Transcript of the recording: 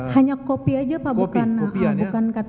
hanya kopi saja pak bukan ktp asli enggak pernah